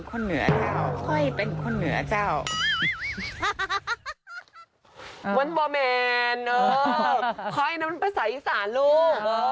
ค่อยนั้นเป็นภาษาอีสานลูก